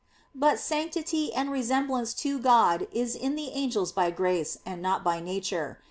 But sanctity and resemblance to God is in the angels by grace, and not by nature.